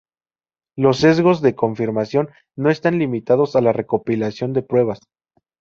Los sesgos de confirmación no están limitados a la recopilación de pruebas.